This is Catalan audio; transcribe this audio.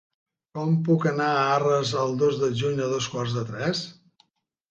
Com puc anar a Arres el dos de juny a dos quarts de tres?